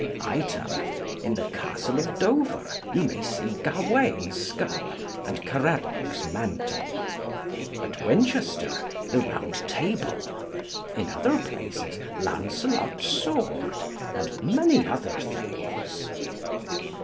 Item, in the castle of Dover ye may see Gawain's skull and Caradoc's mantle; at Winchester the round table; in other places Lancelot's sword, and many other things.